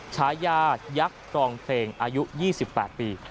ชายาศยักษ์ครองเพลงอายุ๒๘ปี